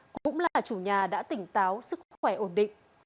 cũng là chủ nhà đã tỉnh táo sức khỏe ổn định